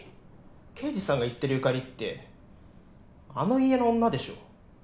刑事さんが言ってる由香里ってあの家の女でしょ。